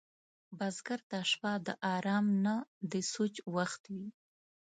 بزګر ته شپه د آرام نه، د سوچ وخت وي